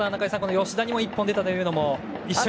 吉田にも一本出たというのも。